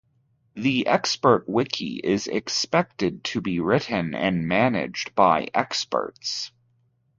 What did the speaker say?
The "expert wiki", is expected to be written and managed by experts.